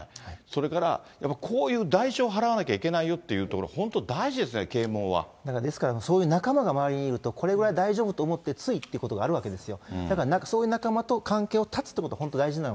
それから、こういう代償を払わなきゃいけないよというところ、本当大事ですね、ですからそういう仲間が周りにいると、これぐらい大丈夫と思ってついっていうことがあるわけですよ。